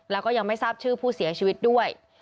แล้วก็ยังไม่ทราบชื่อผู้เสียชีวิตด้วย